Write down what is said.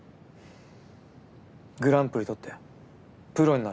グランプリ獲ってプロになれ。